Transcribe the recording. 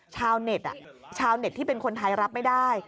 ชาวเน็ตชาวเน็ตที่เป็นคนไทยรับไม่ได้